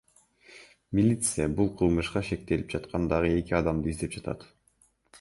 Милиция бул кылмышка шектелип жаткан дагы эки адамды издеп жатат.